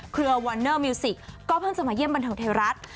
เรือวันเนอร์มิวสิกก็เพิ่งจะมาเยี่ยมบันเทิงไทยรัฐ